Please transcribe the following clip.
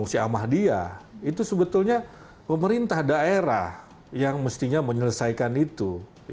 si ahmadiyah itu sebetulnya pemerintah daerah yang mestinya menyelesaikan itu